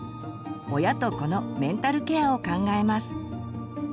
親と子のメンタルケアを考えます。